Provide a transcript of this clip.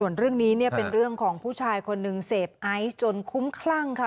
ส่วนเรื่องนี้เนี่ยเป็นเรื่องของผู้ชายคนหนึ่งเสพไอซ์จนคุ้มคลั่งค่ะ